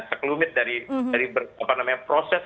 sekelumit dari proses